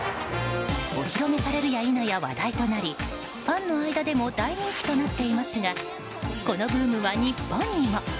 お披露目されるや否や話題となりファンの間でも大人気となっていますがこのブームは日本にも。